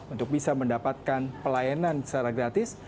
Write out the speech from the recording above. untuk bisa mendapatkan pelayanan secara gratis